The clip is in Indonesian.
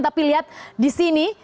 tapi lihat di sini